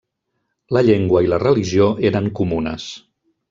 La llengua i la religió eren comunes.